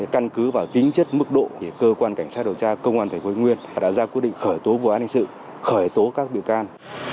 căn cứ vào tính chất mức độ thì cơ quan cảnh sát điều tra công an thành phố nguyên đã ra quyết định khởi tố vụ an ninh sự khởi tố các biểu can